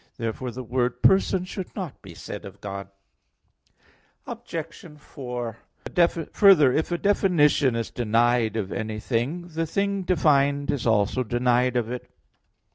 Therefore the word "person" should not be said of God. Obj. 4: Further, if a definition is denied of anything, the thing defined is also denied of it.